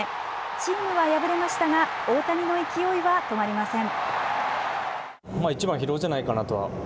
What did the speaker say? チームは敗れましたが大谷の勢いは止まりません。